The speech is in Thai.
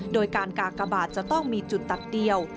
โดยการกากบาทจะต้องมีจุดตัดเดียว